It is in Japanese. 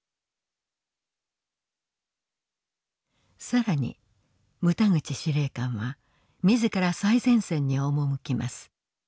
更に牟田口司令官は自ら最前線に赴きます。